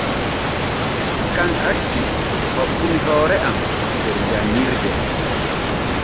Kan acci hokkumi hoore am der janŋirde.